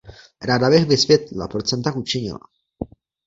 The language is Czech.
Ráda bych vysvětlila, proč jsem tak učinila.